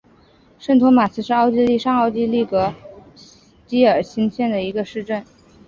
圣托马斯是奥地利上奥地利州格里斯基尔兴县的一个市镇。